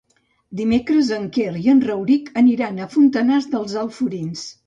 Dimecres en Quer i en Rauric aniran a Fontanars dels Alforins.